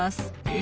え